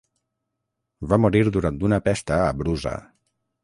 Va morir durant una pesta a Brusa.